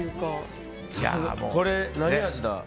これ、何味だ。